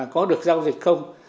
có được giao dịch không